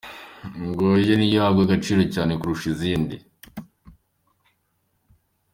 Ngo niyo ihabwa agaciro cyane kurusha izindi.